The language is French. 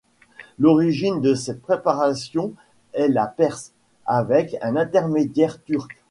L'origine de cette préparation est la Perse, avec un intermédiaire turc.